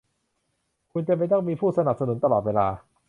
คุณจำเป็นต้องมีผู้สนับสนุนตลอดเวลา